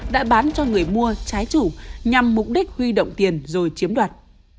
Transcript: đã bán cho người mua trái chủ nhằm mục đích huy động tiền rồi chiếm đoạt